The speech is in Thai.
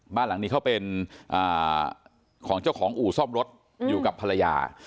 บ้านหลังนี้เขาเป็นของเจ้าของอู่ซ่อมรถอยู่กับภรรยา